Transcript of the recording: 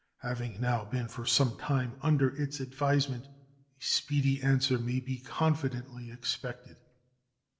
Having now been for some time under its advisement, a speedy answer may be confidently expected.